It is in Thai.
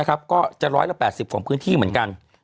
ก็จะ๑๘๐ของพื้นที่เหมือนกัน